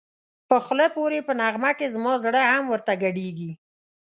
چی خوله پوری په نغمه کی زما زړه هم ورته گډېږی